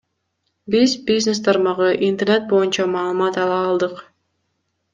Биз бизнес тармагы, интернет боюнча маалымат ала алдык.